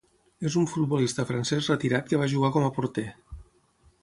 És un futbolista francès retirat que va jugar com a porter.